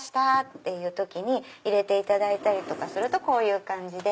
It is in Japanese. って時に入れていただいたりするとこういう感じで。